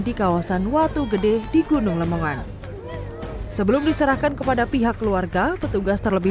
di kawasan watu gede di gunung lemongan sebelum diserahkan kepada pihak keluarga petugas terlebih